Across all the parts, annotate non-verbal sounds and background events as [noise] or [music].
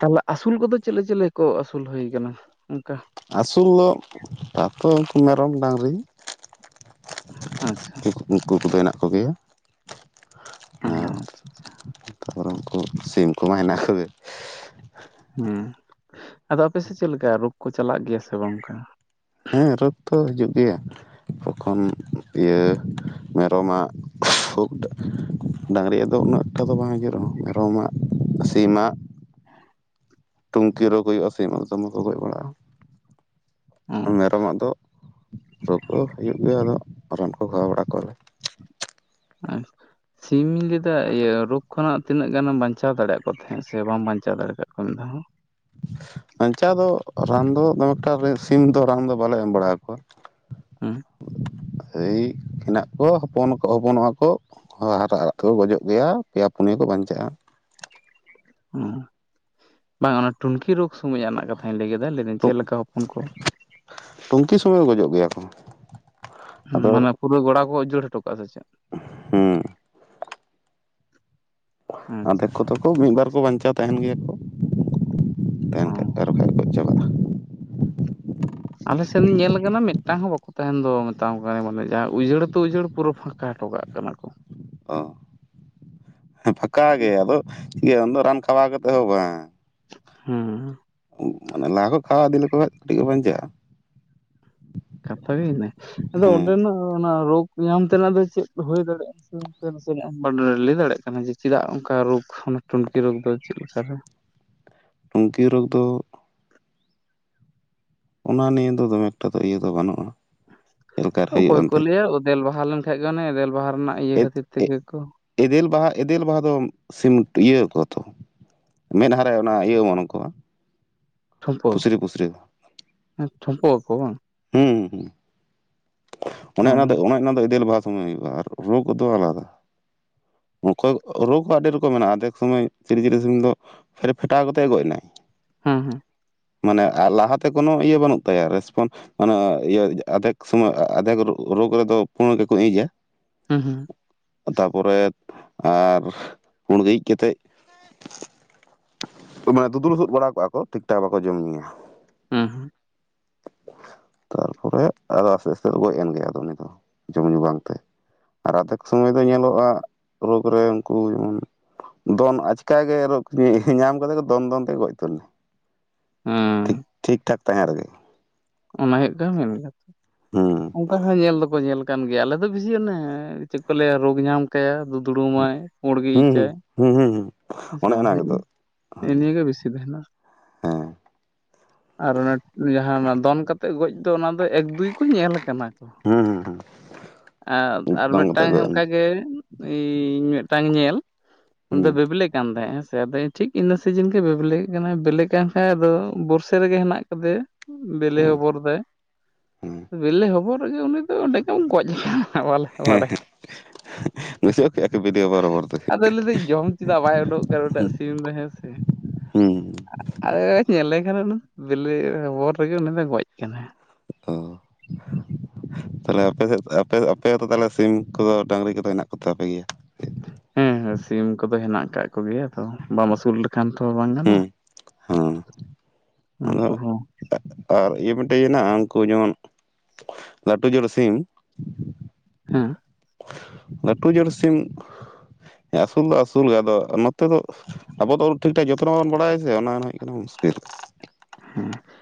ᱛᱟᱦᱚᱞᱮ ᱟᱹᱥᱩᱞ ᱠᱚᱫᱚ ᱪᱤᱞᱤ ᱪᱤᱞᱤ ᱠᱚ ᱟᱹᱥᱩᱞ ᱦᱩᱭ ᱠᱟᱱᱟ ᱚᱱᱠᱟ? ᱟᱹᱥᱩᱞ ᱫᱚ ᱢᱮᱨᱚᱢ, ᱰᱟᱹᱟᱝᱨᱤ, ᱟᱪᱪᱷᱟ᱾ ᱩᱱᱠᱩ ᱠᱚᱫᱚ ᱦᱮᱱᱟᱜ ᱠᱚᱜᱮᱭᱟ᱾ ᱚ ᱦᱚᱸ ᱟᱨ ᱟᱪᱪᱷᱟ ᱟᱪᱪᱷᱟ ᱛᱟᱯᱚᱨᱮ ᱩᱱᱠᱩ ᱥᱤᱢ ᱠᱚ ᱦᱮᱱᱟᱜ ᱠᱚᱜᱮ ᱦᱮᱸ ᱟᱫᱚ ᱟᱯᱮᱥᱮᱫ ᱪᱮᱫ ᱞᱮᱠᱟ ᱨᱳᱜᱽ ᱠᱚ ᱪᱟᱞᱟᱜ ᱜᱮᱭᱟ ᱥᱮ ᱵᱟᱝ ᱚᱝᱠᱟ? ᱦᱮᱸ ᱨᱳᱜᱽ ᱛᱚ ᱦᱤᱡᱩᱜ ᱜᱮᱭᱟ ᱠᱚᱠᱷᱚᱱ ᱤᱭᱟᱹ ᱢᱮᱨᱚᱢᱟᱜ ᱨᱳᱜᱽ ᱰᱟᱝᱨᱤᱭᱟᱜ ᱫᱚ ᱩᱱᱟᱹᱜ ᱴᱟ ᱫᱚ ᱵᱟᱝ ᱦᱤᱡᱩᱜ ᱨᱮᱦᱚᱸ ᱢᱮᱨᱚᱢᱟᱜ, ᱥᱤᱢᱟᱜ, ᱴᱩᱝᱠᱤ ᱨᱳᱜᱽ ᱦᱩᱭᱩᱜ-ᱟ ᱥᱤᱢᱟᱜ ᱫᱚᱢᱮ ᱠᱚ ᱜᱚᱡ ᱵᱟᱲᱟᱜ-ᱟ ᱚᱸ ᱢᱮᱨᱚᱢᱟᱜ ᱫᱚ ᱨᱳᱜᱽ ᱠᱚ ᱦᱩᱭᱩᱜ ᱜᱮᱭᱟ ᱟᱫᱚ ᱨᱟᱱ ᱠᱚ ᱠᱷᱦᱟᱣ ᱵᱟᱲᱟ ᱠᱚᱣᱟᱞᱮ᱾ [unintelligible] ᱥᱤᱢᱤ ᱤᱧ ᱞᱟᱹᱭᱫᱟ ᱤᱭᱟᱹ ᱨᱳᱜᱽ ᱠᱷᱚᱱᱟᱜ ᱛᱤᱱᱟᱹᱜ ᱜᱟᱱᱮᱢ ᱵᱟᱧᱪᱟᱣ ᱫᱟᱲᱮᱭᱟᱜ ᱠᱚ ᱛᱟᱦᱮᱸᱫ, ᱥᱮ ᱵᱟᱢ ᱵᱟᱧᱪᱟᱣ ᱫᱟᱲᱮ ᱟᱠᱟᱫ ᱠᱚᱣᱟ ᱢᱤᱫ ᱫᱷᱟ ᱦᱚᱸ? ᱵᱟᱧᱪᱟᱣ ᱫᱚ ᱨᱟᱱ ᱫᱚ ᱫᱚᱢᱮᱠᱴᱟ ᱥᱤᱢ ᱫᱚ ᱨᱟᱱ ᱫᱚ ᱵᱟᱞᱮ ᱮᱢ ᱵᱟᱲᱟᱣᱟᱠᱚᱣᱟ᱾ ᱦᱮᱸ ᱮᱭ ᱦᱮᱱᱟᱜ ᱠᱚᱣᱟ ᱦᱚᱯᱚᱱ ᱦᱚᱯᱚᱱᱚᱜ-ᱟ ᱠᱚ ᱦᱚᱭ ᱦᱟᱨᱟᱜ ᱦᱟᱨᱟᱜ ᱛᱮᱠᱚ ᱜᱚᱡᱚᱜ ᱜᱮᱭᱟ ᱯᱮᱭᱟ ᱯᱩᱱᱭᱟᱹ ᱠᱚ ᱵᱟᱧᱪᱟᱜ-ᱟ᱾ ᱦᱩᱸ ᱵᱟᱝ ᱚᱱᱟ ᱴᱩᱱᱠᱤ ᱨᱳᱜᱽ ᱥᱩᱢᱚᱭ ᱟᱜ ᱨᱮᱱᱟᱜ ᱠᱟᱛᱷᱟᱧ ᱞᱟᱹᱭ ᱠᱮᱫᱟ ᱞᱟᱹᱭᱫᱟᱹᱧ ᱪᱮᱫ ᱞᱮᱠᱟ ᱦᱚᱯᱚᱱ ᱠᱚ ᱴᱩᱝᱠᱤ ᱥᱩᱢᱚᱭ ᱜᱚᱡᱚᱜ ᱜᱮᱭᱟ ᱠᱚ ᱟᱫᱚ ᱢᱟᱱᱮ ᱯᱩᱨᱟᱹ ᱜᱚᱲᱟ ᱠᱚ ᱩᱡᱟᱹᱲ ᱦᱚᱴᱚ ᱠᱟᱜ-ᱟ ᱥᱮ ᱪᱮᱫ? ᱦᱮᱸ ᱟᱪᱪᱷᱟ ᱟᱫᱷᱮᱠ ᱠᱚᱫᱚ ᱠᱚ ᱢᱤᱫ ᱵᱟᱨ ᱠᱚ ᱵᱟᱧᱪᱟᱣ ᱛᱟᱦᱮᱱ ᱜᱮᱭᱟ ᱠᱚ ᱛᱟᱦᱮᱱ ᱠᱷᱟᱡ ᱚᱸ ᱫᱚ ᱵᱟᱠᱷᱟᱡ ᱜᱚᱡ ᱪᱟᱵᱟᱜ-ᱟ᱾ ᱟᱞᱮ ᱥᱮᱱ ᱤᱧ ᱧᱮᱞ ᱠᱟᱱᱟ ᱢᱮᱫᱴᱟᱝ ᱦᱚᱸ ᱵᱟᱠᱚ ᱛᱟᱦᱮᱱ ᱫᱚ ᱢᱮᱛᱟᱢ ᱠᱟᱱᱤᱧ ᱢᱟᱱᱮ ᱡᱟᱸᱦᱟᱸ ᱩᱡᱟᱹᱲ ᱛᱚ ᱩᱡᱟᱹᱲ ᱯᱩᱨᱟᱹ ᱯᱷᱟ ᱠᱟ ᱦᱚᱴᱚᱠᱟᱜ ᱠᱟᱱᱟ ᱠᱚ᱾ ᱚ ᱦᱮᱸ ᱯᱷᱟᱸᱠᱟ ᱜᱮ ᱟᱫᱚ ᱤᱭᱟᱹ ᱩᱱᱫᱚ ᱨᱟᱱ ᱠᱷᱟᱣᱟᱣ ᱠᱟᱛᱮ ᱦᱚᱸ ᱵᱟᱝ ᱦᱩᱸ ᱢᱟᱱᱮ ᱞᱟᱦᱟ ᱠᱷᱚᱡ ᱠᱷᱟᱣᱟᱣ ᱤᱫᱤ ᱞᱮᱠᱚ ᱠᱷᱟᱡ ᱠᱟᱴᱤᱡ ᱠᱚ ᱵᱟᱧᱪᱟᱜ-ᱟ ᱠᱟᱛᱷᱟ ᱜᱮ ᱤᱱᱟᱹ ᱟᱫᱚ ᱦᱮᱸ ᱚᱸᱰᱮᱱᱟᱜ ᱚᱱᱟ ᱨᱳᱜᱽ ᱧᱟᱢ ᱛᱮᱱᱟᱜ ᱫᱚ ᱪᱮᱫ ᱦᱩᱭ ᱫᱟᱲᱮᱜ-ᱟ? ᱱᱟᱥᱮᱱᱟᱜ ᱵᱟᱰ ᱞᱟᱹᱭ ᱫᱟᱲᱮ-ᱜ ᱠᱟᱱᱟ ᱡᱮ ᱪᱮᱫᱟᱜ ᱚᱱᱠᱟ ᱨᱳᱜᱽ ᱴᱩᱱᱠᱤ ᱨᱳᱜᱽ ᱫᱚ ᱪᱮᱫ ᱞᱮᱠᱟ ᱨᱮ? ᱴᱩᱝᱠᱤ ᱨᱳᱜᱽ ᱫᱚ ᱚᱱᱟ ᱱᱤᱭᱮ ᱫᱚ ᱫᱚᱢᱮ ᱮᱠᱴᱟ ᱫᱚ ᱤᱭᱟᱹ ᱫᱚ ᱵᱟᱹᱱᱩᱜ-ᱟ ᱚᱠᱚᱭ ᱠᱚ ᱞᱟᱹᱭᱟ ᱳᱫᱮᱞ ᱵᱟᱦᱟ ᱞᱮᱱ ᱠᱷᱟᱡ ᱜᱮ ᱚᱱᱮ ᱮᱫᱮᱞ ᱵᱟᱦᱟ ᱨᱮᱱᱟᱜ ᱤᱭᱟᱹ ᱮᱫ ᱠᱷᱟᱹᱛᱤᱨ ᱛᱮᱜᱮ ᱠᱚ ᱮᱫᱮᱞ ᱵᱟᱦᱟ ᱮᱫᱮᱞ ᱵᱟᱦᱟ ᱫᱚ ᱥᱤᱢ ᱤᱭᱟᱹ ᱟᱠᱚ ᱛᱚ ᱢᱮᱫᱦᱟᱨᱮ ᱚᱱᱟ ᱤᱭᱟᱹ ᱚᱢᱚᱱᱟᱠᱚᱣᱟ ᱴᱷᱳᱢᱯᱳ ᱦᱮᱸ ᱴᱷᱳᱢᱯᱳ ᱠᱚ ᱟᱠᱚ ᱵᱟᱝ ᱦᱩᱸ ᱦᱩᱸ ᱚᱱᱮ ᱚᱱᱟ ᱫᱚ ᱦᱮᱸ ᱚᱱᱮ ᱚᱱᱟ ᱫᱚ ᱮᱫᱮᱞ ᱵᱟᱦᱟ ᱥᱚᱢᱚᱭ ᱦᱩᱭᱩᱜ-ᱟ ᱟᱨ ᱨᱳᱜᱽ ᱫᱚ ᱟᱞᱟᱫᱟ ᱚᱠᱚᱭ ᱨᱳᱜᱽ ᱦᱚᱸ ᱟᱰᱤ ᱨᱚᱠᱚᱢ ᱢᱮᱱᱟᱜ-ᱟ ᱟᱫᱷᱮᱠ ᱥᱩᱢᱚᱭ ᱥᱤᱨᱤ ᱪᱤᱞᱤ ᱥᱤᱢ ᱫᱚ ᱯᱷᱮᱴ ᱯᱷᱮᱴᱟᱣ ᱠᱟᱛᱮᱜ ᱮ ᱜᱚᱡ ᱱᱟᱭ᱾ ᱦᱩᱸ ᱦᱩᱸ ᱢᱟᱱᱮ ᱞᱟᱦᱟᱛᱮ ᱠᱳᱱᱳ ᱤᱭᱟᱹ ᱵᱟᱹᱱᱩᱜ ᱛᱟᱭᱟ ᱨᱮᱥᱯᱚᱱ ᱢᱟᱱᱮ ᱤᱭᱟᱹ ᱟᱫᱷᱮᱠ ᱥᱩᱢᱚᱭ ᱟᱫᱷᱮᱠ ᱨᱳᱜᱽ ᱨᱮᱫᱚ ᱯᱳᱲ ᱜᱮᱠᱚ ᱤᱡᱟ ᱦᱩᱸ ᱦᱩᱸ ᱛᱟᱯᱚᱨᱮ ᱟᱨ ᱯᱩᱲᱜᱮ ᱤᱡ ᱠᱮᱛᱮᱜ ᱢᱟᱱᱮ ᱫᱩᱫᱲᱩ ᱥᱩᱫ ᱵᱟᱲᱟ ᱠᱚᱜ-ᱟ ᱠᱚ ᱴᱷᱤᱠ ᱴᱷᱟᱠ ᱵᱟᱠᱚ ᱡᱚᱢ ᱧᱩᱭᱟ᱾ ᱩ ᱦᱩᱸ ᱛᱟᱨᱯᱚᱨᱮ ᱟᱫᱚ ᱟᱥᱛᱮ ᱟᱥᱛᱮ ᱠᱚ ᱜᱚᱡ ᱮᱱ ᱜᱮ ᱟᱫᱚ ᱩᱱᱤ ᱫᱚ ᱡᱚᱢ ᱧᱩ ᱵᱟᱝᱛᱮ᱾ ᱟᱨ ᱟᱫᱷᱮᱠ ᱥᱩᱢᱚᱭ ᱫᱚ ᱧᱮᱞᱚᱜ-ᱟ ᱨᱳᱜᱽ ᱨᱮ ᱩᱱᱠᱩ ᱡᱮᱢᱚᱱ ᱫᱚᱱ ᱟᱪᱠᱟ ᱜᱮ ᱨᱳᱜᱽ ᱧᱟᱢ ᱠᱟᱛᱮ ᱜᱮ ᱫᱚᱱ ᱫᱚᱱ ᱛᱮ ᱜᱚᱡ ᱩᱛᱟᱹᱨᱱᱟᱭ᱾ ᱦᱩᱸ ᱴᱷᱤᱠ ᱴᱷᱤᱠ ᱴᱷᱟᱠ ᱛᱟᱸᱦᱮᱱ ᱨᱮᱜᱮ᱾ ᱚᱱᱟ ᱦᱩᱭᱩᱜ ᱠᱟᱱᱟ ᱢᱮᱱ ᱠᱟᱛᱷᱟ ᱦᱩᱸ ᱚᱝᱠᱟ ᱦᱚᱸ ᱧᱮᱞ ᱫᱚᱠᱚ ᱧᱮᱞ ᱠᱟᱱ ᱜᱮᱭᱟ ᱟᱞᱮ ᱫᱚ ᱵᱤᱥᱤ ᱚᱱᱮ ᱪᱮᱫ ᱠᱚ ᱞᱟᱹᱭᱟ ᱨᱳᱜᱽ ᱧᱟᱢ ᱠᱟᱭᱟ ᱫᱩᱫᱲᱩᱢᱟᱭ ᱯᱩᱸᱲ ᱜᱮ ᱤᱪᱟᱭ ᱦᱩᱸ ᱦᱩᱸ ᱦᱩᱸ ᱦᱩᱸ ᱦᱩᱸ ᱦᱮᱸᱥᱮ ᱚᱱᱮ ᱵᱟᱝ ᱚᱱᱟ ᱜᱮᱛᱚ ᱱᱮᱜ-ᱮ ᱱᱤᱭᱟᱹᱜᱮ ᱵᱮᱥᱤ ᱛᱟᱦᱮᱱᱟ᱾ ᱦᱮᱸ ᱟᱨ ᱚᱱᱟ ᱡᱟᱸᱦᱟᱸ ᱚᱱᱟ ᱫᱚᱱ ᱠᱟᱛᱮᱫ ᱜᱚᱡ ᱫᱚ ᱚᱱᱟ ᱫᱚ ᱮᱠ ᱫᱩᱭ ᱠᱚ ᱧᱮᱞ ᱠᱟᱱᱟ ᱠᱚ ᱾ ᱦᱩᱸ ᱦᱩᱸ ᱦᱩᱸ᱾ ᱟᱨ, ᱟᱨ ᱫᱚᱱ ᱠᱟᱛᱮ ᱢᱤᱫᱴᱟᱝ ᱜᱚᱡ ᱮᱱ ᱚᱱᱠᱟᱜᱮ ᱤᱧ ᱢᱤᱫᱴᱟᱝ ᱧᱮᱞ ᱩᱱᱫᱚ ᱦᱩᱸ ᱵᱮᱵᱞᱮ ᱠᱟᱱ ᱛᱟᱸᱦᱮᱸᱜ ᱦᱮᱸᱥᱮ ᱟᱫᱚ ᱴᱷᱤᱠ ᱤᱱᱟᱹ ᱥᱤᱡᱤᱱ ᱜᱮ ᱵᱮᱵᱞᱮ ᱠᱟᱱᱟᱭ ᱵᱮᱞᱮ ᱠᱟᱱ ᱠᱷᱟᱡ ᱟᱫᱚ ᱵᱚᱨᱥᱮ ᱨᱮᱜᱮ ᱦᱮᱱᱟᱜ ᱠᱟᱫᱮᱭᱟ ᱾ ᱵᱮᱞᱮ ᱦᱩᱸ ᱦᱚᱵᱚᱨ ᱫᱟᱭ ᱦᱩᱸ ᱵᱮᱞᱮ ᱦᱚᱵᱚᱨ ᱨᱮᱜᱮ ᱩᱱᱤ ᱫᱚ ᱚᱸᱰᱮ ᱜᱮᱢ ᱜᱚᱡ ᱠᱟᱱᱟ᱾ ᱵᱟᱞᱮ ᱦᱮᱸ ᱵᱟᱲᱟᱭᱟ ᱦᱮᱸ ᱜᱚᱡᱚᱜ ᱜᱮᱭᱟ ᱠᱚ ᱵᱤᱞᱤ ᱚᱵᱚᱨ ᱚᱵᱚᱨ ᱛᱮ᱾ ᱞᱟᱹᱫᱟᱹᱧ ᱡᱚᱢ ᱪᱮᱫᱟᱜ ᱵᱟᱭ ᱩᱰᱩᱠᱚᱜ ᱠᱟᱱᱟ ᱩᱱᱤᱴᱟᱜ ᱥᱤᱢ ᱫᱚ ᱦᱮᱸ ᱥᱮ? ᱦᱩᱸ ᱧᱮᱞᱮ ᱠᱟᱱᱟ ᱵᱤᱞᱤ ᱦᱚᱵᱚᱨ ᱨᱮᱜᱮ ᱩᱱᱤ ᱫᱚᱭ ᱜᱚᱡ ᱠᱟᱱᱟᱭ᱾ [unintelligible] ᱛᱟᱞᱦᱮ ᱟᱯᱮ ᱥᱮᱫ, ᱟᱯᱮ, ᱟᱯᱮ ᱫᱚ ᱛᱟᱞᱦᱮ ᱥᱤᱢ ᱠᱚᱫᱚ ᱰᱟᱝᱨᱤ ᱠᱚᱫᱚ ᱦᱮᱱᱟᱜ ᱠᱚᱛᱟᱯᱮ ᱜᱮᱭᱟ? ᱦᱮᱸ ᱦᱮᱸ ᱥᱤᱢ ᱠᱚᱫᱚ ᱦᱮᱱᱟᱜ ᱠᱟᱜ ᱠᱚᱜᱮᱭᱟ ᱛᱚ ᱵᱟᱢ ᱟᱹᱥᱩᱞ ᱠᱷᱟᱱ ᱛᱚ ᱵᱟᱝ ᱦᱩᱸ ᱜᱟᱱᱚᱜ- ᱦᱮᱸ ᱟ ᱟᱫᱚ ᱩᱱᱠᱩ ᱦᱚᱸ ᱟᱨ ᱤᱭᱟᱹ ᱢᱤᱫᱴᱮᱡ ᱦᱮᱱᱟᱜᱼᱟ ᱩᱱᱠᱩ ᱡᱮᱢᱚᱱ ᱞᱟᱹᱴᱩ ᱡᱟᱲ ᱥᱤᱢ ᱦᱮᱸ ᱞᱟᱹᱴᱩ ᱡᱟᱹᱲ ᱥᱤᱢ ᱟᱹᱥᱩᱞ ᱫᱚ ᱟᱹᱥᱩᱞ ᱜᱮ ᱟᱫᱚ ᱱᱚᱛᱮ ᱫᱚ ᱟᱵᱚ ᱫᱚ ᱴᱷᱤᱠ ᱴᱷᱟᱠ ᱡᱚᱛᱱᱚ ᱵᱟᱵᱚᱱ ᱵᱟᱲᱟᱭᱟ ᱥᱮ ᱚᱱᱟ ᱦᱩᱭᱩᱜ ᱠᱟᱱᱟ ᱢᱩᱥᱠᱤᱞ᱾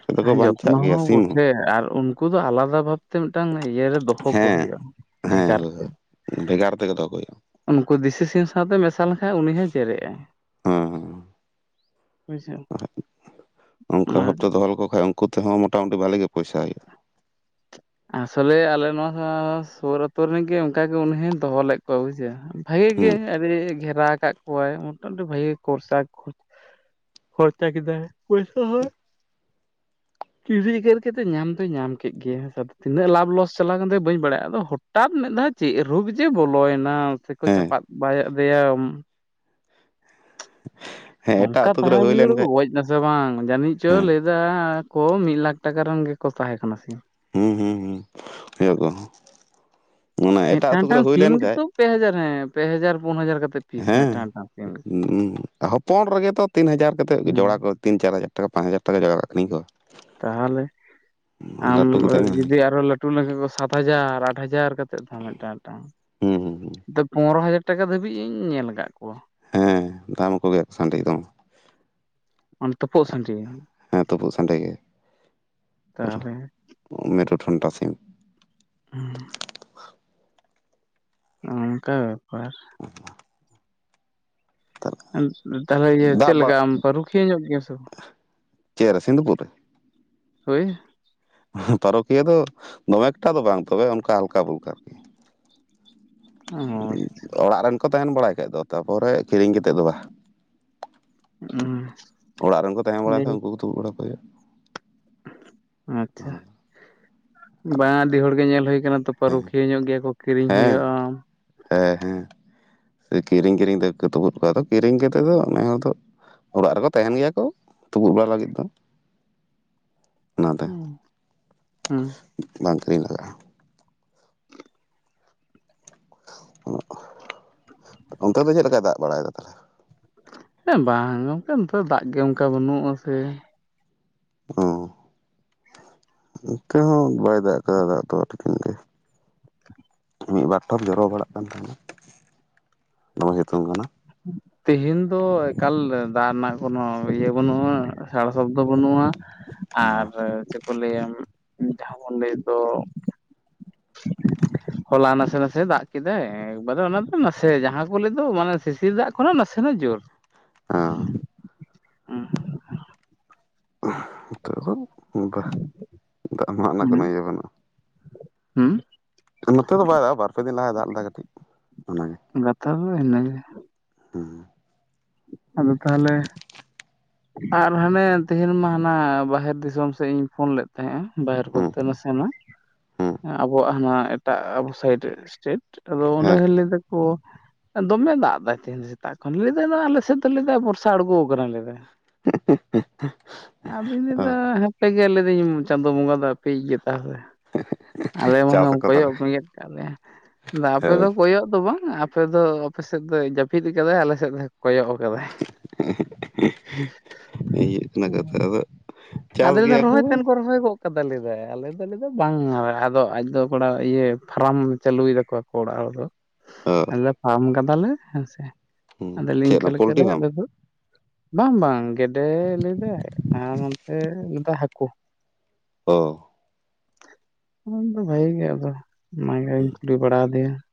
ᱟᱫᱚ ᱦᱮ ᱠᱚ ᱡᱚᱛᱱᱚ ᱵᱟᱧᱪᱟᱜ ᱜᱮᱭᱟ ᱦᱚᱸ ᱥᱤᱢ ᱵᱟᱴᱷᱮ ᱟᱨ ᱩᱱᱠᱩ ᱫᱚ ᱟᱞᱟᱫᱟ ᱵᱷᱟᱵᱛᱮ ᱢᱤᱫᱴᱟᱝ ᱤᱭᱟᱹ ᱨᱮ ᱫᱚᱦᱚ ᱠᱚ ᱦᱮᱸ ᱦᱩᱭᱩᱜᱼᱟ ᱦᱮᱸ ᱵᱷᱮᱜᱟᱨ ᱦᱳᱭ ᱛᱮ᱾ ᱦᱳᱭ ᱵᱷᱮᱜᱟᱨ ᱛᱮᱜᱮ ᱫᱚᱦᱚ ᱠᱚ ᱦᱩᱭᱩᱜᱼᱟ ᱩᱱᱠᱩ ᱫᱤᱥᱤ ᱥᱤ ᱥᱟᱶᱛᱮ ᱢᱮᱥᱟ ᱞᱮᱱᱠᱷᱟᱡ ᱩᱱᱤ ᱦᱚᱸᱭ ᱡᱮᱨᱜᱼ ᱟᱭ᱾ ᱦᱮᱸ ᱦᱮᱸ ᱵᱩᱡᱷᱟᱹᱣ᱾ ᱚᱱᱠᱟ ᱚᱱᱟ ᱵᱷᱟᱵᱛᱮ ᱫᱚᱦᱚ ᱞᱮᱠᱚ ᱠᱷᱟᱡ ᱩᱱᱠᱩ ᱛᱮᱦᱚᱸ ᱢᱚᱴᱟ ᱢᱩᱴᱤ ᱵᱷᱟᱞᱤ ᱜᱮ ᱯᱚᱭᱥᱟ ᱦᱩᱭᱩᱜᱼᱟ ᱟᱥᱚᱞᱮ ᱟᱞᱮ ᱱᱚᱣᱟ ᱥᱩᱨ ᱟᱹᱛᱩ ᱨᱮᱱᱜᱮ ᱚᱱᱠᱟ ᱜᱮ ᱩᱱᱤ ᱦᱚᱸ ᱫᱚᱦᱚ ᱞᱮᱫ ᱠᱚᱣᱟ ᱵᱩᱡᱷᱟᱹᱣ᱾ ᱵᱷᱟᱜᱮ ᱜᱮ ᱦᱩᱸ ᱟᱹᱰᱤ ᱜᱷᱮᱨᱟ ᱠᱟᱜ ᱠᱚᱣᱟᱭ ᱢᱚᱴᱟ ᱢᱩᱴᱤ ᱵᱷᱟᱜᱮ ᱜᱮ ᱠᱚᱨᱥᱟ ᱠᱷᱚᱨᱪᱟ ᱠᱮᱫᱟᱭ ᱯᱚᱭᱥᱟᱹ ᱦᱚᱸ [inaudible] ᱠᱟᱛᱮ ᱧᱟᱢ ᱫᱚᱭ ᱧᱟᱢ ᱠᱮᱫ ᱜᱮ ᱦ ᱛᱤᱱᱟᱹᱜ ᱞᱟᱵᱷ ᱞᱚᱥ ᱪᱟᱞᱟᱣ ᱠᱟᱱ ᱛᱟᱭᱟ ᱵᱟᱹᱧ ᱵᱟᱲᱟᱭᱟ ᱟᱫᱚ ᱦᱚᱴᱟᱛ ᱢᱤᱫ ᱫᱷᱟᱣ ᱪᱮᱫ ᱨᱳᱜ ᱡᱮ ᱵᱚᱞᱚᱭᱱᱟ ᱥᱮ ᱠᱚ ᱦᱮᱸ ᱪᱟᱯᱟᱫ ᱵᱟᱭ ᱟᱫᱮᱭᱟ [unintelligible] ᱱᱚᱝᱠᱟ ᱟᱹᱛᱩ ᱠᱚᱨᱮ ᱛᱟᱦᱟᱸᱲ ᱦᱩᱭ ᱵᱤᱦᱟᱲ ᱞᱮᱱ ᱠᱚ ᱠᱷᱟᱡ ᱜᱚᱡ ᱱᱟ ᱥᱮ ᱵᱟᱝ ᱡᱟᱹᱱᱤᱡ ᱪᱚ ᱦᱮᱸ ᱞᱟᱹᱭ ᱮᱫᱟ ᱠᱚ ᱢᱤᱫ ᱞᱟᱠᱷ ᱴᱟᱠᱟ ᱨᱮᱱ ᱜᱮᱠᱚ ᱛᱟᱦᱮᱸ ᱠᱟᱱᱟ ᱥᱤᱢ ᱦᱩᱸ ᱦᱩᱸ ᱦᱩᱸ ᱠᱦᱩᱭᱩᱜ-ᱟ᱾ ᱢᱮᱫᱴᱟᱝ ᱴᱟᱝ ᱥᱤᱢ ᱞᱮᱱ ᱠᱷᱟᱡ ᱜᱮᱛᱚ ᱯᱮ ᱦᱟᱡᱟᱨ ᱦᱮ ᱯᱮ ᱦᱟᱡᱟᱨ ᱯᱩᱱ ᱦᱟᱡᱟᱨ ᱠᱟᱛᱮ ᱯᱤᱥ ᱦᱮᱸ ᱢᱤᱫᱴᱟᱝ ᱥᱤᱢ ᱦᱚᱯᱚᱱ ᱨᱮᱜᱮ ᱛᱚ ᱛᱤᱱ ᱦᱟᱡᱟᱨ ᱠᱟᱛᱮᱫ ᱦᱮᱸ ᱡᱚᱲᱟ ᱠᱚ ᱛᱤᱱ ᱪᱟᱨ ᱦᱟᱡᱟᱨ ᱴᱟᱠᱟ ᱯᱟᱸᱪ ᱦᱟᱡᱟᱨ ᱴᱟᱠᱟ ᱡᱚᱲᱟ ᱠᱚ ᱟᱠᱷᱨᱤᱧ ᱠᱚ᱾ ᱛᱟᱦᱚᱞᱮ ᱟᱢ ᱞᱟᱹᱴᱩ ᱠᱟᱛᱮᱫ ᱢᱟ ᱡᱩᱫᱤ ᱟᱨᱚ ᱞᱟᱹᱴ ᱴᱩ ᱞᱮᱠᱷᱟᱡ ᱠᱚ ᱥᱟᱛ ᱦᱟᱡᱟᱨ ᱟᱴ ᱦᱟᱡᱟᱨ ᱠᱟᱛᱮᱫ ᱛᱟᱦᱮᱱ ᱢᱮᱫᱴᱟᱝ ᱢᱮᱫᱴᱟᱝ᱾ ᱦᱩᱸ ᱦᱩᱸ ᱯᱚᱱᱨᱚ ᱦᱟᱡᱟᱨ ᱴᱟᱠᱟ ᱫᱷᱟᱹᱵᱤᱡ ᱤᱧ ᱧᱮᱞ ᱠᱟᱫ ᱠᱚᱣᱟ᱾ ᱦᱮᱸ ᱫᱟᱢ ᱠᱚᱜᱮᱭᱟᱠᱚ ᱥᱟᱺᱰᱤ ᱫᱚ᱾ ᱛᱩᱯᱩᱜ ᱥᱟᱺᱰᱤ ᱦᱮᱸ ᱛᱩᱯᱩᱜ ᱥᱟᱸᱰᱮ ᱜᱮ ᱯᱩᱨᱟᱹ ᱛᱟᱦᱚᱞᱮ ᱢᱮᱨᱩ ᱴᱷᱚᱱᱴᱟ ᱥᱤᱢ ᱦᱩᱸ ᱚᱱᱠᱟ ᱵᱮᱯᱟᱨ ᱛᱟᱦᱞᱮ ᱤᱭᱟᱹ ᱫᱟᱜ ᱪᱮᱫ ᱵᱟᱲᱟ ᱞᱮᱠᱟᱢ ᱨᱩᱠᱷᱤᱭᱟᱹ ᱧᱚᱜ ᱜᱮᱭᱟ ᱥᱮ ᱵᱟᱝ? ᱪᱮᱫ ᱨᱮ ᱥᱤᱸᱫᱩᱯᱩᱨ ᱨᱮ ᱦᱳᱭ ᱯᱟᱨᱚᱠᱤᱭᱟᱹ ᱫᱚ ᱫᱚᱢᱮ ᱮᱠᱴᱟ ᱫᱚ ᱵᱟᱝ ᱛᱚᱵᱮ ᱚᱱᱠᱟ ᱦᱟᱞᱠᱟ ᱵᱷᱩᱞᱠᱟ ᱟᱨᱠᱤ᱾ ᱚᱻ ᱚᱲᱟᱜ ᱨᱮᱱ ᱠᱚ ᱛᱟᱦᱮᱱ ᱵᱟᱲᱟᱭ ᱠᱷᱟᱡ ᱫᱚ ᱛᱟᱨᱯᱚᱨᱮ ᱠᱤᱨᱤᱧ ᱠᱟᱛᱮᱫ ᱫᱚ ᱵᱟᱦ ᱚᱲᱟᱜ ᱨᱮᱱ ᱠᱚ ᱛᱟᱦᱮᱸ ᱵᱟᱲᱟ ᱠᱷᱟᱱ ᱩᱱᱠᱩ ᱠᱩ ᱛᱩᱯᱩᱫ ᱵᱟᱲᱟ ᱠᱚ ᱦᱩᱭᱩᱜᱼᱟ ᱾ ᱟᱪᱪᱷᱟ ᱾ ᱵᱟᱝ ᱟᱹᱰᱤ ᱦᱚᱲᱜᱮ ᱧᱮᱞ ᱦᱩᱭ ᱟᱠᱟᱱᱟ ᱛᱚ, ᱦᱮᱸ ᱯᱟᱹᱨᱩᱠᱷᱤᱭᱟᱹ ᱧᱚᱜ ᱜᱮᱭᱟ ᱠᱚ ᱠᱤᱨᱤᱧ ᱦᱮᱸ ᱦᱩᱭᱩᱜᱼᱟ ᱾ ᱦᱮᱸ ᱦᱮᱸ, ᱠᱤᱨᱤᱧ ᱠᱤᱨᱤᱧ ᱛᱮ ᱠᱚ ᱛᱩᱯᱩᱫ ᱠᱚᱣᱟ ᱾ ᱟᱫᱚ ᱠᱤᱨᱤᱧ ᱠᱟᱛᱮᱜ ᱫᱚ ᱱᱮ ᱦᱚᱲ ᱫᱚ ᱚᱲᱟᱜ ᱨᱮᱠᱚ ᱛᱟᱦᱮᱱ ᱜᱮᱭᱟ ᱠᱚ ᱛᱩᱯᱩᱫ ᱵᱟᱲᱟ ᱞᱟᱹᱜᱤᱫ ᱫᱚ ᱾ [unintelligible] ᱚᱱᱟᱛᱮ ᱦᱩᱸ [inaudible] ᱵᱟᱝ ᱠᱤᱨᱤᱧ ᱞᱟᱜᱟᱜᱼᱟ ᱾ [unintelligible] ᱚᱱᱛᱮ ᱫᱚ ᱪᱮᱫ ᱞᱮᱠᱟᱭ ᱫᱟᱜ ᱵᱟᱲᱟᱭ ᱮᱫᱟ ᱛᱟᱞᱦᱮ? ᱮᱸ, ᱵᱟᱝ ᱜᱚᱝᱠᱮ ᱱᱚᱛᱮ ᱫᱚ ᱫᱟᱜ ᱜᱮ ᱚᱱᱠᱟ ᱵᱟᱹᱱᱩᱜᱼᱟ ᱥᱮ ᱾ ᱚᱻ ᱱᱚᱛᱮ ᱦᱚᱸ ᱵᱟᱭ ᱫᱟᱜ ᱟᱠᱟᱫᱟ ᱫᱟᱜ ᱫᱚ ᱟᱹᱰᱤ ᱫᱤᱱ ᱜᱮ ᱾ ᱢᱤᱫ ᱵᱟᱨ ᱴᱷᱚᱯ ᱡᱚᱨᱚ ᱵᱟᱲᱟᱜ ᱠᱟᱱ ᱛᱟᱦᱮᱱᱟ, ᱫᱚᱢᱮ ᱥᱤᱛᱩᱝ ᱠᱟᱱᱟ ᱾ ᱦᱩᱸ ᱾ ᱛᱮᱦᱮᱧ ᱫᱚ ᱮᱠᱟᱞ ᱫᱟᱜ ᱨᱮᱱᱟᱜ ᱠᱳᱱᱚ ᱤᱭᱟᱹ ᱵᱟᱹᱱᱩᱜᱼᱟ, ᱥᱟᱲᱟ ᱥᱚᱵᱫᱚ ᱵᱟᱹᱱᱩᱜᱼᱟ ᱾ ᱟᱨ ᱪᱮᱫ ᱠᱚ ᱞᱟᱹᱭᱟ ᱡᱟᱦᱟᱸ ᱵᱚᱱ ᱞᱟᱹᱭᱮᱫ ᱫᱚ ᱦᱚᱞᱟ ᱱᱟᱥᱮ ᱱᱟᱥᱮ ᱫᱟᱜ ᱠᱮᱫᱟᱭ ᱾ ᱮᱠᱵᱟᱨᱮ ᱚᱱᱟ ᱫᱚ ᱱᱟᱥᱮ ᱡᱟᱦᱟᱸ ᱠᱚ ᱞᱟᱹᱭ ᱫᱚ ᱢᱟᱱᱮ ᱥᱤᱥᱤᱨ ᱫᱟᱜ ᱠᱷᱚᱱᱟᱜ ᱱᱟᱥᱮᱱᱟᱜ ᱡᱳᱨ ᱾ ᱚ ᱾ ᱦᱩᱸ ᱾ ᱱᱤᱛᱳᱜ ᱫᱚ ᱵᱟ, [inaudible] ᱫᱟᱜ ᱢᱟᱜ ᱨᱮᱱᱟᱜ ᱠᱳᱱᱚ ᱤᱭᱟᱹ ᱵᱟᱹᱱᱩᱜᱼᱟ ᱾ [inaudible] ᱦᱩᱸ ᱾ ᱱᱚᱛᱮ ᱫᱚ ᱵᱟᱭ ᱫᱟᱜ ᱮᱫᱟ, ᱵᱟᱨ ᱯᱮ ᱫᱤᱱ ᱞᱟᱦᱟᱭ ᱫᱟᱜ ᱞᱮᱫᱟ ᱠᱟᱹᱴᱤᱡ ᱚᱱᱟᱜᱮ ᱾ ᱜᱟᱛᱷᱟ ᱫᱚ ᱤᱱᱟᱹᱜᱮ ᱦᱩᱸ ᱾ ᱟᱫᱚ ᱛᱟᱦᱚᱞᱮ ᱟᱨ ᱦᱟᱱᱮ ᱛᱮᱦᱮᱧ ᱢᱟ ᱦᱟᱱᱟ ᱵᱟᱦᱮᱨ ᱫᱤᱥᱚᱢ ᱥᱮᱫ ᱤᱧ ᱯᱷᱳᱱ ᱞᱮᱫ ᱛᱟᱦᱮᱸᱫ-ᱟ ᱾ ᱵᱟᱦᱮᱨ ᱦᱩᱸ ᱵᱚᱞᱛᱮ ᱱᱟᱥᱮᱱᱟᱜ ᱦᱩᱸ ᱟᱵᱚᱣᱟᱜ ᱦᱟᱱᱟ ᱮᱴᱟᱜ ᱟᱵᱚ ᱥᱟᱭᱤᱰ ᱥᱴᱮᱴ ᱾ ᱟᱫᱚ ᱚᱸᱰᱮ ᱦᱮᱸ ᱦᱚᱸ ᱞᱟᱹᱭ ᱮᱫᱟᱠᱚ ᱫᱚᱢᱮ ᱫᱟᱜ ᱮᱫᱟ ᱛᱮᱦᱮᱧ ᱫᱚ ᱥᱮᱛᱟᱜ ᱠᱷᱚᱱ ᱾ [unintelligible] ᱟᱞᱮ ᱥᱮᱫ ᱫᱚ ᱞᱟᱹᱭ ᱮᱫᱟᱭ ᱵᱚᱨᱥᱟ ᱟᱸᱬᱜᱚ ᱟᱠᱟᱱᱟ ᱞᱟᱹᱭ ᱮᱫᱟ ᱾ [unintelligible] ᱟᱫᱚᱧ ᱞᱟᱹᱭ ᱚ ᱮᱫᱟ [unintelligible] ᱜᱮ ᱞᱟᱹᱭ ᱮᱫᱟᱹᱧ ᱪᱟᱸᱫᱚ ᱵᱚᱸᱜᱟ ᱫᱚ ᱟᱯᱮᱭᱤᱡ ᱜᱮ ᱛᱟᱦᱚᱞᱮ ᱾ ᱟᱞᱮ ᱢᱟ ᱪᱟᱥ [unintelligible] ᱟᱠᱚ ᱠᱚᱭᱚᱜ ᱛᱟᱦᱚᱞᱮ ᱵᱮᱸᱜᱮᱫ ᱠᱟᱜ ᱞᱮ, ᱟᱫᱚ ᱟᱯᱮ ᱫᱚ ᱦᱳᱭ ᱠᱚᱭᱚᱜ ᱫᱚ ᱵᱟᱝ ᱟᱯᱮ ᱫᱚ ᱟᱯᱮ ᱥᱮᱫ ᱫᱚᱭ ᱡᱟᱹᱯᱤᱫ ᱟᱠᱟᱫᱟᱭ, ᱟᱞᱮ ᱥᱮᱫ ᱫᱚ ᱠᱚᱭᱚᱜ ᱟᱠᱟᱫᱟᱭ ᱦᱩᱭᱩᱜ ᱠᱟᱱᱟ ᱠᱟᱛᱷᱟ ᱾ ᱟᱫᱚ ᱪᱟᱥ ᱟᱫᱚᱭ ᱞᱟᱹᱭ ᱜᱮᱭᱟ ᱮᱫᱟ ᱨᱚᱦᱚᱭ ᱛᱮᱱ ᱠᱚ ᱨᱚᱦᱚᱭ ᱜᱚᱫ ᱟᱠᱟᱫᱟ ᱞᱟᱹᱭ ᱮᱫᱟ, ᱟᱞᱮ ᱫᱚ ᱞᱟᱹᱭ ᱮᱫᱟᱭ ᱵᱟᱝ, ᱟᱫᱚ ᱟᱡ ᱫᱚ ᱠᱚᱲᱟ ᱤᱭᱟᱹ ᱯᱷᱟᱨᱟᱢ ᱪᱟᱹᱞᱩᱭ ᱮᱫᱟᱠᱚ ᱟᱠᱚ ᱚᱲᱟᱜ ᱦᱚᱲ ᱫᱚ ᱾ ᱚ ᱾ ᱞᱟᱹᱭ ᱮᱫᱟ ᱯᱷᱟᱨᱢ ᱠᱟᱫᱟᱞᱮ ᱦᱮᱸ ᱥᱮ ᱦᱩᱸ ᱾ ᱟᱫᱚ ᱪᱮᱫ ᱤᱱᱠᱟᱹ ᱚᱱᱟ ᱞᱮᱠᱟ ᱯᱳᱞᱴᱤ ᱨᱮ ᱯᱷᱟᱨᱢ ᱟᱞᱮ ᱫᱚ ᱵᱟᱝ ᱵᱟᱝ, ᱜᱮᱰᱮ ᱞᱟᱹᱭ ᱮᱫᱟᱭ ᱟᱨ ᱚᱱᱛᱮ ᱞᱟᱹᱭ ᱮᱫᱟᱭ ᱦᱟᱠᱳ ᱾ ᱚ ᱾ ᱟᱫᱚ ᱵᱷᱟᱜᱤ ᱜᱮᱭᱟ ᱟᱫᱚ ᱚᱱᱟᱜᱮᱧ ᱠᱩᱞᱤ ᱵᱟᱲᱟ ᱟᱫᱮᱭᱟ ᱾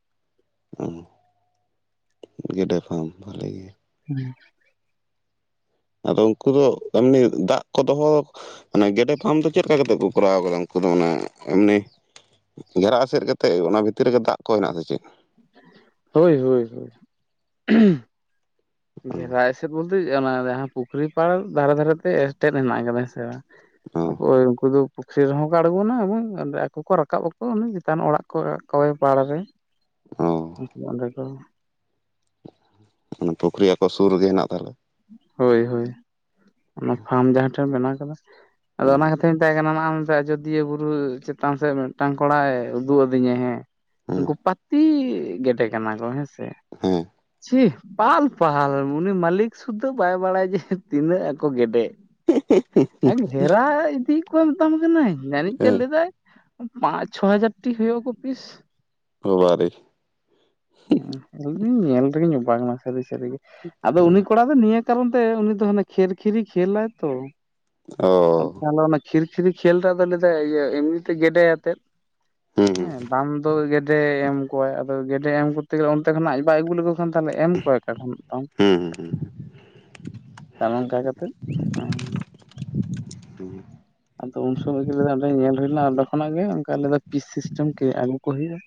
ᱚ, ᱜᱮᱰᱮ ᱯᱷᱟᱨᱢ ᱵᱷᱟᱹᱞᱤ ᱜᱮ ᱾ ᱦᱮᱸ ᱾ ᱟᱫᱚ ᱩᱱᱠᱩ ᱫᱚ ᱮᱢᱱᱤ ᱫᱟᱜ ᱠᱚ ᱫᱚᱦᱚ ᱢᱟᱱᱮ ᱜᱮᱰᱮ ᱯᱷᱟᱨᱢ ᱫᱚ ᱪᱮᱫ ᱞᱮᱠᱟ ᱠᱟᱛᱮᱜ ᱠᱚ ᱠᱚᱨᱟᱣ ᱟᱠᱟᱫᱟ? ᱩᱱᱠᱩ ᱫᱚ ᱚᱱᱟ ᱮᱢᱱᱤ ᱜᱷᱮᱨᱟ ᱮᱥᱮᱫ ᱠᱟᱛᱮᱫ ᱚᱱᱟ ᱵᱷᱤᱛᱤᱨ ᱨᱮᱜᱮ ᱫᱟᱜ ᱠᱚ ᱦᱮᱱᱟᱜ-ᱟ ᱥᱮ ᱪᱮᱫ? ᱦᱳᱭ-ᱦᱳᱭ-ᱦᱳᱭ ᱾ [inaudible] [unintelligible] ᱚ ᱜᱷᱮᱨᱟ ᱮᱥᱮᱫ ᱵᱚᱞᱛᱮ, ᱚᱱᱟ ᱡᱟᱦᱟᱸ ᱯᱩᱠᱷᱨᱤ ᱯᱟᱲ ᱫᱷᱟᱨᱮ ᱫᱷᱟᱨᱮ ᱛᱮ ᱮᱴᱮᱫ ᱦᱮᱱᱟᱜ ᱟᱠᱟᱫᱟ ᱦᱮᱸ ᱥᱮ ᱵᱟᱝ ᱚ ᱾ ᱟᱫᱚ ᱩᱱᱠᱩ ᱫᱚ ᱯᱩᱠᱷᱨᱤ ᱨᱮᱦᱚᱸ ᱠᱚ ᱟᱸᱬᱜᱚᱱᱟ ᱮᱵᱚᱝ ᱟᱫᱚ ᱟᱠᱚ ᱠᱚ ᱨᱟᱠᱟᱵ ᱟᱠᱚ ᱚᱱᱮ ᱪᱮᱛᱟᱱ ᱟᱲᱟᱜ [unintelligible] ᱯᱟᱲ ᱨᱮ ᱾ ᱚ [unintelligible] ᱢᱟᱱᱮ ᱯᱩᱠᱷᱨᱤ ᱟᱠᱚ ᱥᱩᱨ ᱨᱮᱜᱮ ᱦᱮᱱᱟᱜ ᱛᱟᱦᱞᱮᱼᱼ ᱦᱳᱭ ᱦᱳᱭ ᱚᱱᱟ ᱯᱷᱟᱨᱢ ᱡᱟᱦᱟᱸᱴᱷᱮᱱ ᱵᱮᱱᱟᱣ ᱟᱠᱟᱫᱟᱼᱼ ᱟᱫᱚ ᱦᱩᱸ ᱚᱱᱟ ᱠᱷᱛᱷᱟᱧ ᱢᱮᱛᱟᱭ ᱠᱟᱱᱟᱼᱼ ᱟᱡᱚᱫᱤᱭᱟᱹ ᱵᱩᱨᱩ ᱪᱮᱛᱟᱱ ᱥᱮᱫ ᱢᱤᱫᱴᱟᱝ ᱠᱚᱲᱟᱭ ᱩᱫᱩᱜ ᱟᱹᱫᱤᱧᱟ ᱦᱮᱸᱼᱼ ᱦᱮᱸ ᱩᱱᱠᱩ ᱯᱟᱹᱛᱤ ᱜᱮᱰᱮ ᱠᱟᱱᱟ ᱠᱚ ᱦᱮᱸ ᱥᱮᱼᱼ ᱦᱩᱸ ᱪᱷᱤ ᱯᱟᱞ ᱯᱟᱞ ᱩᱱᱤ ᱢᱟᱞᱤᱠᱼᱼ ᱥᱩᱫᱷᱟᱹ ᱵᱟᱭ ᱵᱟᱲᱟᱭᱟ ᱡᱮ ᱛᱤᱱᱟᱹᱜ ᱟᱠᱚ ᱜᱮᱰᱮ ᱰᱷᱮᱨᱟ ᱤᱫᱤᱼᱼ ᱠᱚ ᱢᱮᱛᱟᱢ ᱠᱟᱹᱱᱟᱹᱧ ᱡᱟᱹᱱᱤᱡ ᱪᱮᱫ ᱦᱮᱸ ᱞᱟᱹᱫᱟᱭ ᱯᱟᱸᱪ ᱪᱷᱚ ᱦᱟᱡᱟᱨ ᱴᱤ ᱦᱩᱭᱩᱜ ᱟᱠᱚ ᱯᱤᱥ, ᱵᱟᱵᱟ ᱨᱮ ᱟᱞᱤᱧ ᱧᱮᱞ ᱨᱮᱜᱮ ᱞᱤᱧ ᱚᱵᱟᱠᱱᱟ ᱥᱟᱹᱨᱤ ᱥᱟᱹᱨᱤᱜᱮ ᱟᱫᱚ ᱩᱱᱤᱼᱼ ᱱᱤᱭᱟᱹ ᱠᱟᱨᱚᱱ ᱛᱮ ᱩᱱᱤ ᱫᱚ ᱦᱟᱱᱮ ᱠᱷᱮᱨ ᱠᱷᱤᱨᱤ ᱠᱷᱮᱞᱟᱭ ᱛᱚ ᱚ ᱠᱷᱤᱨ ᱠᱷᱤᱨᱤ ᱠᱷᱮᱞ ᱫᱚ ᱟᱫᱚ ᱞᱟᱹᱭᱫᱟᱭ ᱤᱭᱟᱹ ᱮᱢᱱᱤ ᱛᱮ ᱜᱮᱰᱮ ᱟᱛᱮᱫ ᱦᱩᱸ ᱦᱮᱸ ᱵᱟᱝᱼᱼ ᱟᱫᱚ ᱜᱮᱰᱮ ᱮᱢ ᱠᱚᱣᱟᱭ ᱟᱫᱚ ᱜᱮᱰᱮ ᱮᱢ ᱠᱚᱛ ᱛᱮ ᱜᱮᱞᱮ ᱚᱱᱛᱮ ᱠᱷᱚᱱᱟᱜ ᱟᱡ ᱵᱟᱭ ᱟᱹᱜᱩ ᱞᱮᱠᱚ ᱠᱷᱟᱱ ᱛᱟᱦᱚᱞᱮ ᱮᱢ ᱠᱚᱣᱟᱭ ᱚᱠᱟ ᱠᱷᱚᱱᱟᱜ ᱛᱟᱢᱼᱼ ᱦᱩᱸ ᱦᱩ ᱦᱩᱸ᱾ ᱱᱚᱝᱠᱟ ᱠᱟᱛᱮᱫᱼᱼ ᱦᱩᱸ ᱟᱫᱚ ᱩᱱ ᱥᱚᱢᱚᱭ ᱜᱮ ᱞᱟᱹᱭᱫᱟᱭ ᱚᱸᱰᱮ ᱧᱮᱞ ᱦᱩᱭ ᱞᱮᱱᱟ ᱚᱸᱰᱮ ᱠᱷᱚᱱᱟᱜ ᱜᱮ ᱚᱱᱠᱟ ᱞᱟᱹᱭᱫᱟ ᱯᱤᱥ ᱥᱤᱥᱴᱮᱢ ᱠᱮ ᱟᱹᱜᱩ ᱠᱚ ᱦᱩᱭᱩᱜᱼᱟ᱾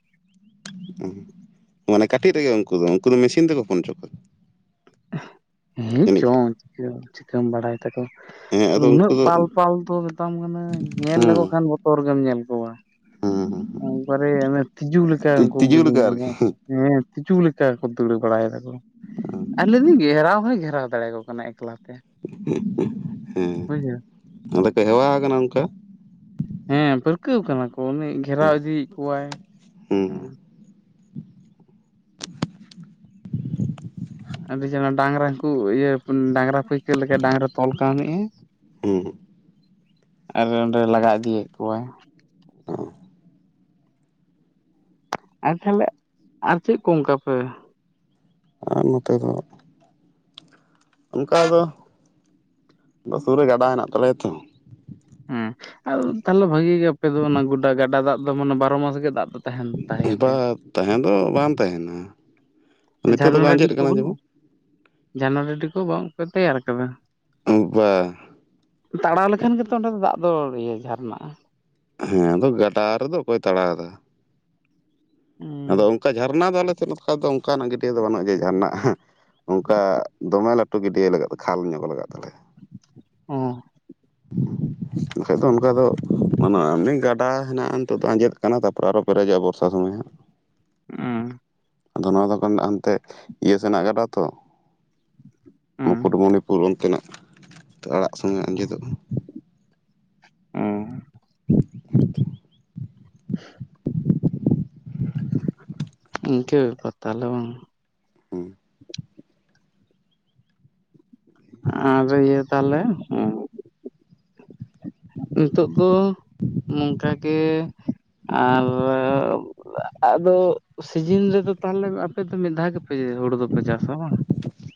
ᱢᱟᱱᱮ ᱠᱟᱹᱴᱤᱡ ᱨᱮᱜᱮ ᱩᱱᱠᱩ ᱫᱚ ᱩᱱᱠᱩ ᱫᱚ ᱢᱮᱥᱤᱱ ᱛᱮᱠᱚ ᱯᱷᱳᱱ ᱦᱚᱪᱚ ᱠᱚᱣᱟ᱾ ᱦᱮᱸ ᱡᱟᱹᱱᱤᱡ ᱠᱷᱟᱱ ᱪᱚᱝ ᱪᱤᱠᱟᱹ ᱪᱤᱠᱟᱹᱢ ᱵᱟᱲᱟᱭ? ᱛᱟᱠᱚ ᱦᱮᱸ ᱟᱫᱚ ᱩᱱᱠᱩ ᱩᱱᱟᱹᱜ ᱫᱚ ᱯᱟᱞ ᱯᱟᱞ ᱫᱚ ᱢᱮᱛᱟᱢ ᱠᱟᱹᱱᱟᱹᱧ ᱧᱮᱞ ᱞᱮᱠᱚ ᱦᱮᱸ ᱠᱷᱟᱱᱼᱼ ᱚᱨ ᱜᱮᱢ ᱧᱮᱞ ᱠᱚᱣᱟ ᱦᱮᱸ ᱮᱠᱟᱨᱮ ᱛᱤᱡᱩ ᱞᱮᱠᱟ ᱩᱱᱠᱩ ᱛᱤᱡᱩ ᱞᱮᱠᱟ ᱟᱨᱠᱤ [inaudible] ᱦᱮᱸ ᱛᱤᱡᱩ ᱞᱮᱠᱟ ᱠᱚ ᱫᱟᱹᱲ ᱵᱟᱲᱟᱭ ᱫᱟᱠᱚ ᱟᱨ ᱞᱮᱭᱫᱟᱹᱧ ᱜᱷᱮᱨᱟᱣ ᱦᱚᱸᱭ ᱜᱷᱮᱨᱟᱣ ᱫᱟᱲᱮᱭᱟᱠᱚ ᱠᱟᱱᱟᱭ ᱮᱠᱞᱟᱛᱮ᱾ ᱦᱩᱸ ᱟᱫᱚ ᱠᱚ ᱦᱮᱣᱟ ᱠᱟᱱᱟ ᱚᱱᱠᱟ᱾ ᱦᱮᱸ ᱯᱟᱹᱨᱠᱟᱹᱣ ᱠᱟᱱᱟ ᱠᱚ ᱩᱱᱤ ᱦᱮᱸ ᱜᱷᱮᱨᱟᱣ ᱤᱫᱤᱭᱮᱫ ᱠᱚᱣᱟᱭ ᱦᱮᱸ ᱟᱹᱰᱤ ᱪᱮᱨᱦᱟ ᱰᱟᱝᱨᱟ ᱦᱟᱱᱠᱩ ᱤᱭᱟᱹ ᱰᱟᱝᱨᱟ ᱯᱟᱹᱭᱠᱟᱹᱨ ᱞᱮᱠᱟ ᱰᱟᱝᱨᱟ ᱛᱚᱞ ᱠᱟᱣᱱᱤᱡ ᱟᱭ᱾ ᱦᱩᱸ ᱟᱨ ᱚᱸᱰᱮ ᱞᱟᱜᱟ ᱤᱫᱤᱭᱮᱫ ᱠᱚᱣᱟᱭ᱾ ᱟᱨ ᱛᱟᱦᱚᱞᱮ ᱟᱨ ᱪᱮᱫ ᱠᱚ ᱚᱱᱠᱟ ᱯᱮ᱾ ᱟᱨ ᱱᱚᱛᱮ ᱫᱚᱼᱼ ᱚᱱᱠᱟ ᱫᱚ ᱟ ᱥᱩᱨ ᱨᱮ ᱜᱟᱰᱟ ᱦᱮᱱᱟᱜ ᱛᱟᱞᱮᱭᱟ ᱛᱚᱼᱼ ᱦᱮᱸ ᱛᱟᱦᱚᱞᱮ ᱵᱷᱟᱜᱮ ᱜᱮ ᱟᱯᱮ ᱫᱚ ᱚᱱᱟ ᱜᱚᱰᱟ ᱜᱟᱰᱟ ᱫᱟᱜ ᱫᱚ ᱢᱟᱱᱮ ᱵᱟᱨᱚ ᱢᱟᱥ ᱜᱮ ᱫᱟᱜ ᱫᱚᱼᱼ ᱵᱟ ᱛᱟᱦᱮᱸ ᱫᱚ ᱵᱟᱝ ᱛᱟᱦᱮᱱᱟ ᱱᱤᱛᱳᱜ ᱫᱚ ᱡᱷᱟᱨᱱᱟ ᱵᱟᱝ ᱰᱟᱹᱰᱤ ᱟᱸᱡᱮᱫ ᱠᱚ ᱠᱟᱱᱟ ᱵᱟᱹᱱᱩᱜᱼᱟ ᱡᱮᱢᱚᱱᱼᱼ ᱡᱷᱟᱨᱱᱟ ᱰᱟᱰᱤ ᱠᱚ ᱵᱟᱝ ᱯᱮ ᱛᱮᱭᱟᱨ ᱠᱟᱫᱟ? ᱵᱟᱻ ᱛᱟᱲᱟᱣ ᱞᱮᱠᱷᱟᱱ ᱜᱮᱛᱚ ᱚᱸᱰᱮ ᱫᱚ ᱫᱟᱜ ᱫᱚ ᱤᱭᱟᱹ ᱡᱷᱟᱨᱱᱟᱼᱟ᱾ ᱦᱮᱸ ᱟᱫᱚ ᱜᱟᱰᱟ ᱨᱮᱫᱚ ᱚᱠᱚᱭ ᱛᱟᱲᱟᱣ ᱮᱫᱟ᱾ ᱟᱫᱚ ᱦᱩᱸ ᱚᱱᱠᱟ ᱡᱷᱟᱨᱱᱟ ᱫᱚ ᱟᱞᱮ ᱥᱮᱱ ᱱᱚᱝᱠᱟ ᱫᱚ ᱚᱱᱠᱟᱱᱟᱜ ᱜᱟᱹᱴᱭᱟᱹ ᱫᱚ ᱵᱟᱹᱱᱩᱜᱼᱟ ᱡᱮ ᱡᱷᱟᱨᱱᱟᱼᱟ ᱚᱱᱠᱟ ᱫᱚᱢᱮ ᱞᱟᱹᱴᱩ ᱜᱤᱰᱭᱟᱹ ᱞᱟᱜᱟᱜ ᱠᱷᱟᱞ ᱧᱚᱜ ᱞᱟᱜᱟᱼᱟ ᱛᱟᱞᱦᱮᱼᱼ ᱚ [inaudible] ᱵᱟᱠᱷᱟᱟᱱ ᱫᱚ ᱚᱱᱠᱟ ᱫᱚ ᱵᱟᱱᱩ-ᱟ ᱮᱢᱱᱤ ᱜᱟᱰᱟ ᱦᱮᱱᱟᱜᱼᱟ ᱱᱤᱛᱚᱜ ᱫᱚ ᱟᱸᱡᱮᱫ ᱠᱟᱱᱟ ᱛᱟᱨᱯᱚᱨᱮ ᱟᱨᱚ ᱯᱮᱨᱮᱡᱚᱜᱼᱟ ᱵᱚᱨᱥᱟ ᱥᱚᱢᱚᱭ ᱦᱟᱸᱜ ᱚ ᱟᱫᱚ ᱱᱚᱣᱟ ᱫᱚ ᱠᱷᱟᱱ ᱦᱟᱱᱛᱮ ᱤᱭᱟᱹ ᱥᱮᱱᱟᱜ ᱜᱟᱰᱟ ᱛᱚᱼᱼ ᱦᱩᱸ ᱢᱩᱠᱩᱴᱢᱚᱱᱤᱯᱩᱨ ᱚᱱᱛᱮᱱᱟᱜ ᱟᱲᱟᱜ ᱥᱚᱸᱜᱮ ᱟᱸᱡᱮᱫᱚᱜᱼᱟ ᱚᱸᱻ [inaudible] [inaudible] ᱤᱱᱠᱟᱹ ᱵᱮᱯᱟᱨ ᱛᱟᱦᱞᱮ ᱵᱟᱝ᱾ ᱦᱩ᱾ ᱟᱫᱚ ᱤᱭᱟᱹ ᱛᱟᱦᱞᱮ ᱦᱩ᱾ ᱱᱤᱛᱚᱜ ᱫᱚ ᱱᱚᱝᱠᱟ ᱜᱮ ᱟᱨᱻ ᱟᱫᱚ ᱥᱤᱡᱤᱱ ᱨᱮᱫᱚ ᱛᱟᱦᱚᱞᱮ ᱟᱯᱮ ᱫᱚ ᱢᱤᱫ ᱫᱷᱟᱣ ᱜᱮᱯᱮ ᱦᱩᱲᱩ ᱫᱚᱯᱮ ᱪᱟᱥᱟ ᱵᱟᱝ?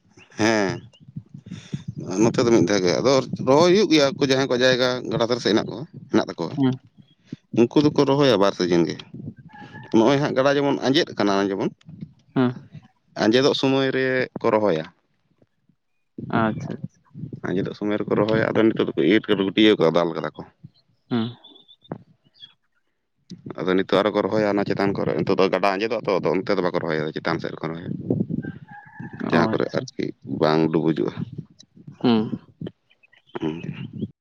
ᱦᱮ᱾ [inaudible] ᱱᱚᱛᱮ ᱫᱚ ᱢᱤᱫ ᱫᱷᱟᱣ ᱜᱮ ᱟᱫᱚ ᱨᱚᱦᱚᱭ ᱦᱩᱭᱩᱜ ᱜᱮᱭᱟ ᱡᱟᱦᱟᱸᱭ ᱠᱚᱣᱟᱜ ᱡᱟᱭᱜᱟ ᱜᱟᱰᱟ ᱫᱷᱟᱨᱮ ᱥᱮ ᱦᱮᱱᱟᱜ ᱠᱚᱣᱟ ᱦᱮᱱᱟᱜ ᱛᱟᱠᱚᱣᱟ᱾ [unintelligible] ᱩᱱᱠᱩ ᱫᱚᱠᱚ ᱨᱚᱦᱚᱭᱟ ᱵᱟᱨ ᱥᱤᱡᱤᱱ ᱜᱮ ᱱᱚᱜ-ᱚᱭ ᱦᱟᱜ ᱜᱟᱰᱟ ᱡᱮᱢᱚᱱ ᱟᱸᱡᱮᱫ ᱠᱟᱱᱟ ᱡᱮᱢᱚᱱ ᱦᱮ ᱟᱸᱡᱮᱫᱚᱜ ᱥᱚᱢᱚᱭ ᱨᱮ ᱠᱚ ᱨᱚᱦᱚᱭᱟ᱾ ᱟᱪᱪᱷ ᱟᱪᱪᱷᱟ᱾ ᱟᱸᱡᱮᱫᱚᱜ ᱥᱚᱢᱚᱭ ᱨᱮᱠᱚ ᱨᱚᱦᱚᱭᱟ ᱟᱫᱚ ᱱᱤᱛᱚᱜ ᱫᱚᱠᱚ ᱤᱨ ᱠᱟᱫᱟ ᱜᱩᱹᱴᱭᱟᱹᱣ ᱠᱟᱫᱟ ᱫᱟᱞ ᱠᱟᱫᱟ ᱠᱚ᱾ ᱦᱩ, ᱟᱫᱚ ᱱᱤᱛᱚᱜ ᱟᱨᱚᱠᱚ ᱨᱚᱦᱚᱭᱟ ᱚᱱᱟ ᱪᱮᱛᱟᱱ ᱠᱚᱨᱮ ᱱᱤᱛᱚᱜ ᱫᱚ ᱜᱟᱰᱟ ᱟᱸᱡᱮᱫᱚᱜ-ᱟᱛᱚ ᱟᱫᱚ ᱚᱱᱛᱮ ᱫᱚ ᱵᱟᱠᱚ ᱨᱚᱦᱚᱭᱟ ᱪᱮᱛᱟᱱ ᱥᱮᱫ ᱨᱮᱠᱚ ᱨᱚᱦᱚᱭᱟ᱾ [unintelligible] ᱚ ᱡᱟᱦᱟᱸ ᱠᱚᱨᱮ ᱟᱪᱪᱷᱟ ᱟᱨᱠᱤ ᱵᱟᱝ ᱰᱩᱵᱩᱡᱚᱜ-ᱟ᱾ ᱦᱮᱸ